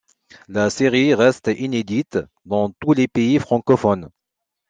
La série reste inédite dans tous les pays francophones.